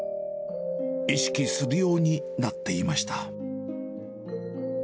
意識するようになっていました。